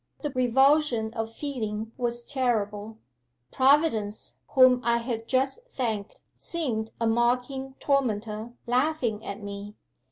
The revulsion of feeling was terrible. Providence, whom I had just thanked, seemed a mocking tormentor laughing at me.